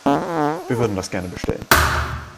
Wir würden das gerne bestellen.